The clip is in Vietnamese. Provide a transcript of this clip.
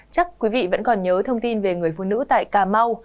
chắc quý vị vẫn còn nhớ thông tin về người phụ nữ tại cà mau